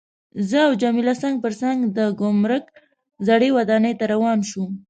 زه او جميله څنګ پر څنګ د ګمرک زړې ودانۍ ته روان شوو.